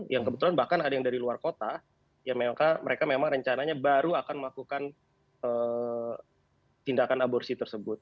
yang kebetulan bahkan ada yang dari luar kota ya mereka memang rencananya baru akan melakukan tindakan aborsi tersebut